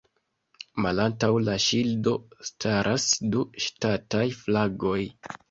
Malantaŭ la ŝildo staras du ŝtataj flagoj.